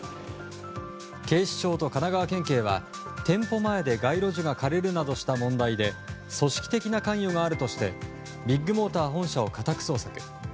警視庁と神奈川県警は店舗前で街路樹が枯れるなどした問題で組織的な関与があるとしてビッグモーター本社を家宅捜索。